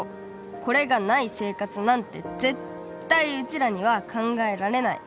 これがない生活なんて絶対うちらには考えられない！